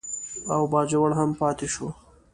او باجوړ هم پاتې شو.